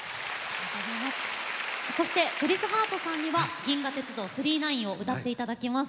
そしてクリス・ハートさんには「銀河鉄道９９９」を歌って頂きます。